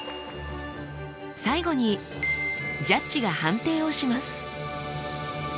最後にジャッジが判定をします。